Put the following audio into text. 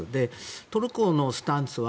トルコのスタンスは